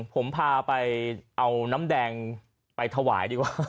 ผมพาไปเอาน้ำแดงไปถวายดีกว่า